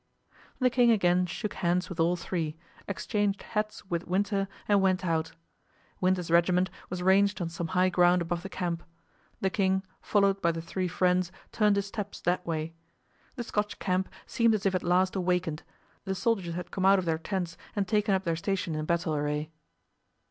The king again shook hands with all three, exchanged hats with Winter and went out. Winter's regiment was ranged on some high ground above the camp. The king, followed by the three friends, turned his steps that way. The Scotch camp seemed as if at last awakened; the soldiers had come out of their tents and taken up their station in battle array.